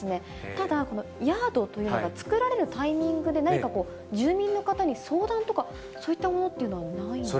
ただ、このヤードというのが作られるタイミングで、何かこう、住民の方に相談とか、そういったものっていうのないんですか。